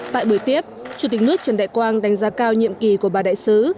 tại buổi tiếp chủ tịch nước trần đại quang đánh giá cao nhiệm kỳ của ba đại sứ